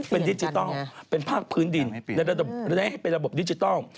เป็นดิจิทัลเป็นภาคพื้นดินและได้ให้เป็นระบบดิจิทัล